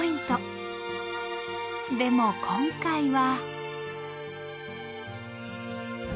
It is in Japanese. でも今回は。